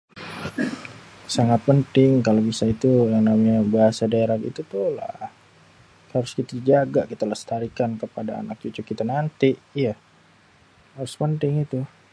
Sangat penting kalo misal itu yang namenye bahasa daerah gitu tuh, ya harus kita jaga kita lestarikan kepada anak cucu kita nanti, iye harus penting itu.